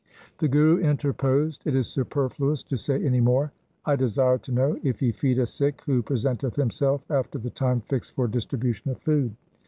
The Guru interposed. 'It is superfluous to say any more. I desire to know if ye feed a Sikh who presenteth himself after the time fixed for distribu tion of food.'